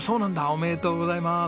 おめでとうございます！